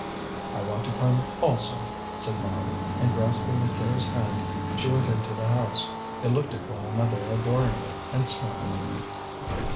"I want to come also," said Mara; and grasping Akira's hand she went into the house. They looked at one another adoringly and smiled.